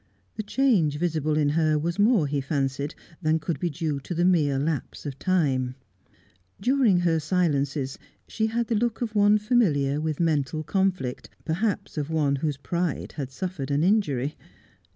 The change visible in her was more, he fancied, than could be due to the mere lapse of time; during her silences, she had the look of one familiar with mental conflict, perhaps of one whose pride had suffered an injury.